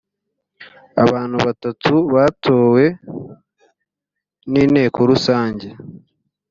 abantu batatu batowe n’inteko rusange